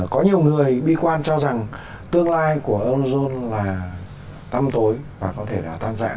có nhiều người bi quan cho rằng tương lai của eurozone là tăm tối và có thể là tan giã